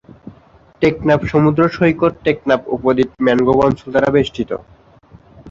টেকনাফ সমুদ্র সৈকত টেকনাফ উপদ্বীপ ম্যানগ্রোভ অঞ্চল দ্বারা বেষ্টিত।